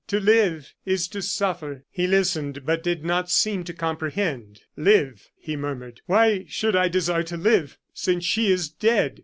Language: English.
To live, is to suffer." He listened, but did not seem to comprehend. "Live!" he murmured, "why should I desire to live since she is dead?"